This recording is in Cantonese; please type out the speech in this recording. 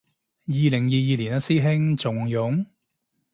二零二二年嘞師兄，仲用